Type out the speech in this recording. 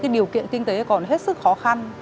điều kiện kinh tế còn hết sức khó khăn